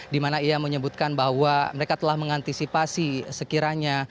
dimana ia menyebutkan bahwa mereka telah mengantisipasi sekiranya